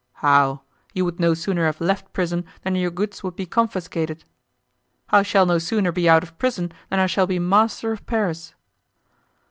"How? you would no sooner have left prison than your goods would be confiscated." "I shall no sooner be out of prison than I shall be master of Paris."